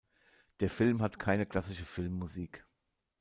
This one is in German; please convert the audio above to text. Der Film hat keine klassische Filmmusik.